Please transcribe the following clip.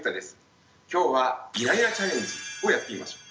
今日はイライラチャレンジをやってみましょう。